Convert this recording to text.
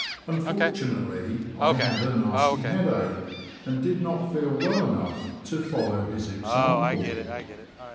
Unfortunately, I had a nasty headache, and did not feel well enough to follow his example.